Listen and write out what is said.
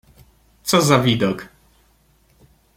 "Co za widok!"